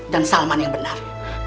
dan salman yang benar